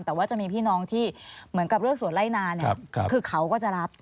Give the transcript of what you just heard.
แต่ว่าจะมีพี่น้องที่เหมือนกับเรื่องสวนไล่นาเนี่ยคือเขาก็จะรับ